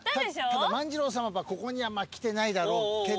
ただ万次郎さんはここには来てないだろうけども。